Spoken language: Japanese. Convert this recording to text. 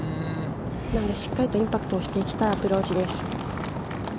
しっかりインパクトをしたアプローチです。